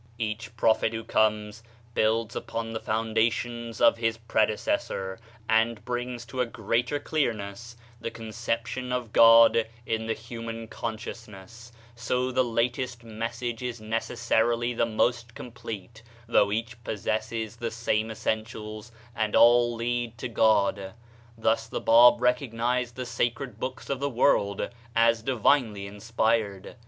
Each prophet who comes builds upon the foundation of his predecessor, and brings to a greater clearness the conception of God in the human consciousness, so the latest message is necessarily the most complete, though each possesses the same essentials, and all lead to God. Thus the Bab recognized the sacred books of the world as divinely inspired.